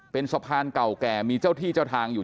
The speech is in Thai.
เป็นสะพานเก่าแก่มีเจ้าที่เจ้าทางอยู่